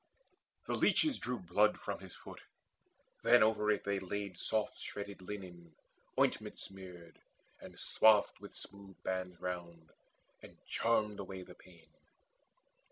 The leeches drew Blood from his foot: then over it they laid Soft shredded linen ointment smeared, and swathed With smooth bands round, and charmed away the pain.